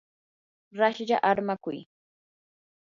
raslla armakuy.